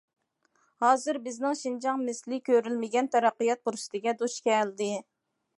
ھازىر بىزنىڭ شىنجاڭ مىسلى كۆرۈلمىگەن تەرەققىيات پۇرسىتىگە دۇچ كەلدى.